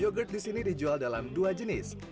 yogurt di sini dijual dalam dua jenis